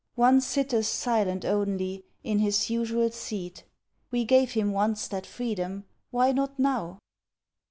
One sitteth silent only, in his usual seat; We gave him once that freedom. Why not now?